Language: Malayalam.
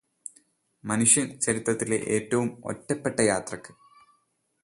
മനുഷ്യ ചരിത്രത്തിലെ ഏറ്റവും ഒറ്റപ്പെട്ട യാത്രക്ക്